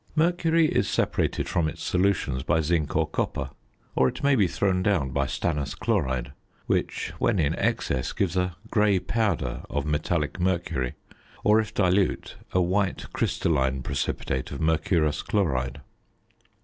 Mercury is separated from its solutions by zinc or copper, or it may be thrown down by stannous chloride, which, when in excess, gives a grey powder of metallic mercury, or, if dilute, a white crystalline precipitate of mercurous chloride.